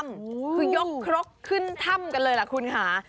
คือยกครกขึ้นถ้ำกันเลยล่ะคุณค่ะ